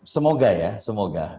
semoga ya semoga